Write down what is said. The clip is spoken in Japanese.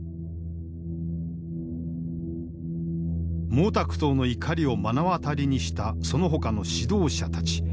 毛沢東の怒りを目の当たりにしたそのほかの指導者たち。